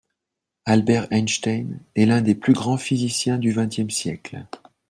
Albert Einstein est l'un des plus grands physiciens du vingtième siècle.